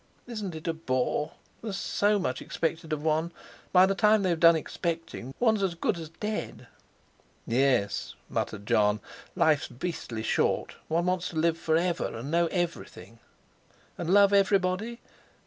Isn't it a bore? There's so much expected of one. By the time they've done expecting, one's as good as dead." "Yes," muttered Jon, "life's beastly short. One wants to live forever, and know everything." "And love everybody?"